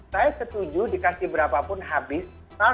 saya setuju dikasih berapa pun habis